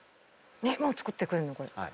もう作ってくれるの⁉